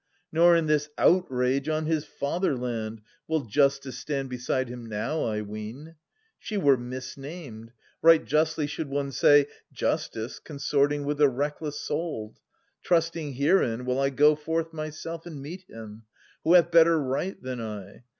Nor in this outrage on his fatherland Will Justice stand beside him now, I ween. She were misnamed, right justly should one say, 670 < Justice,' consorting with the reckless souled I Trusting herein will I go forth myself And meet him :— who bath better right than I